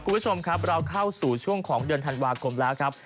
คุณผู้ชมครับเราเข้าสู่ช่วงของเดือนธันวาคมแล้วครับ